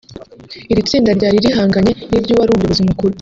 Iri tsinda ryari rihanganye n’iry’uwari umuyobozi mukuru